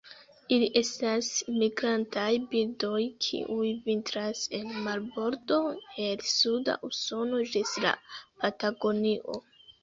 Ili estas migrantaj birdoj kiuj vintras en marbordo el suda Usono ĝis la Patagonio.